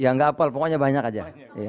ya gak apal pokoknya banyak aja